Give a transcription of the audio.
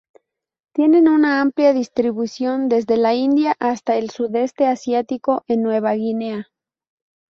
Tienen una amplia distribución, desde la India hasta el Sudeste Asiático en Nueva Guinea.